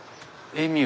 エミュー。